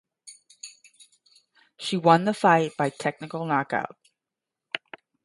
She won the fight by technical knockout.